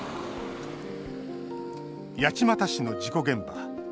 八街市の事故現場。